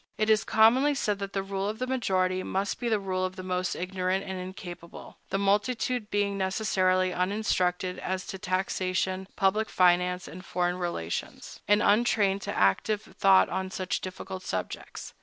It is commonly said that the rule of the majority must be the rule of the most ignorant and incapable, the multitude being necessarily uninstructed as to taxation, public finance, and foreign relations, and untrained to active thought on such difficult subjects.